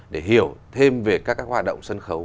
để hiểu thêm về các cái hoạt động sân khấu